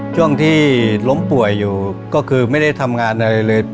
ช่วงที่ล้มป่วยอยู่ก็คือไม่ได้ทำงานอะไรเลย